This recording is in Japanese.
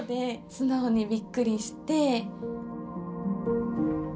素直にびっくりして。